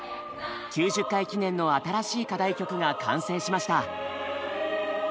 ９０回記念の新しい課題曲が完成しました！